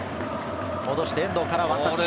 戻して遠藤からワンタッチ。